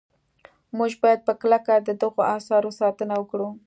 موږ باید په کلکه د دغو اثارو ساتنه وکړو.